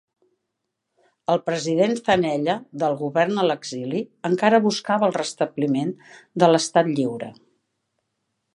El president Zanella del govern a l'exili encara buscava el restabliment de l'Estat Lliure.